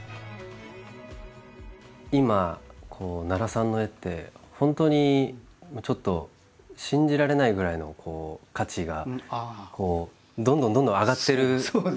今奈良さんの絵って本当にちょっと信じられないぐらいの価値がどんどんどんどん上がってるじゃないですか。